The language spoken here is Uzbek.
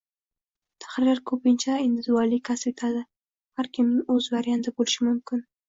Tahrir koʻpincha individuallik kasb etadi, har kimning oʻz varianti boʻlishi mumkin